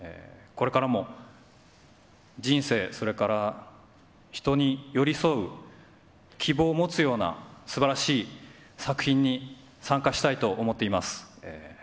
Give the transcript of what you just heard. これからも人生、それから人に寄り添う、希望を持つような、すばらしい作品に参加したいと思っています。